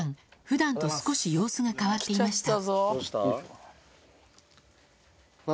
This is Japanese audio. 普段と少し様子が変わっていました